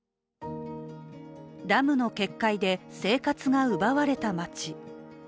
ダムの決壊で生活が奪われた町。